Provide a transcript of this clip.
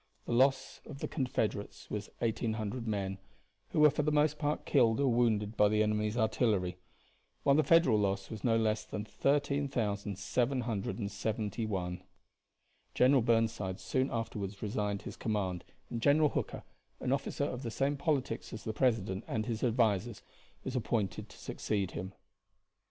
The loss of the Confederates was 1,800 men, who were for the most part killed or wounded by the enemy's artillery, while the Federal loss was no less than 13,771. General Burnside soon afterward resigned his command, and General Hooker, an officer of the same politics as the president and his advisers, was appointed to succeed him.